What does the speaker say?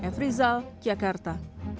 f rizal jakarta